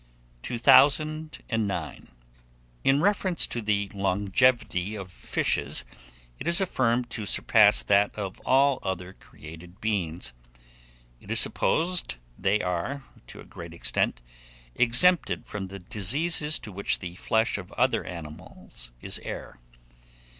209. IN REFERENCE TO THE LONGEVITY OF FISHES, it is affirmed to surpass that of all other created beings; and it is supposed they are, to a great extent, exempted from the diseases to which the flesh of other animals is heir.